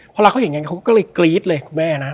เวลาเขาเห็นกันเขาก็เลยกรี๊ดเลยคุณแม่นะ